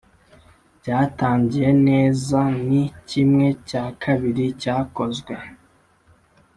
byatangiye neza ni kimwe cya kabiri cyakozwe.